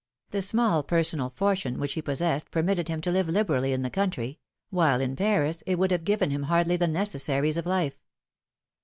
The small personal fortune which he possessed permitted him to live liberally in the country; while in Paris it would have given him hardly the necessaries of life.